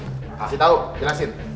masih tau jelasin